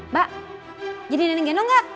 mbak jadi neneng geno gak